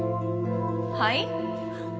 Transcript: はい？